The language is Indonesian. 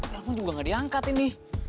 aku juga gak diangkat ini